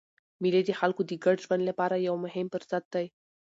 مېلې د خلکو د ګډ ژوند له پاره یو مهم فرصت دئ.